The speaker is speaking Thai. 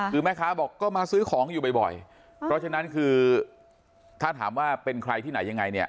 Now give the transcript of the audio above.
คือแม่ค้าบอกก็มาซื้อของอยู่บ่อยเพราะฉะนั้นคือถ้าถามว่าเป็นใครที่ไหนยังไงเนี่ย